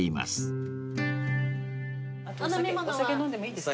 あとお酒飲んでもいいですか？